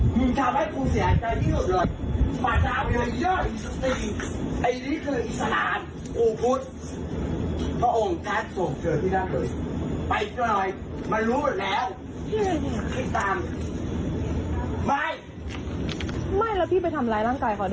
คุณผู้ชมไปดูคลิปเหตุการณ์ที่เกิดขึ้นกันแล้วก็อลวาสครับ